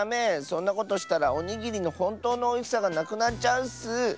そんなことしたらおにぎりのほんとうのおいしさがなくなっちゃうッス！